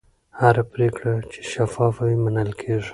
هره پرېکړه چې شفافه وي، منل کېږي.